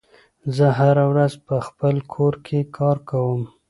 زه هره ورځ په خپل کور کې کار کوم.